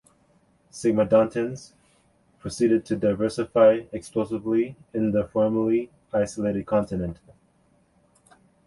Sigmodontines proceeded to diversify explosively in the formerly isolated continent.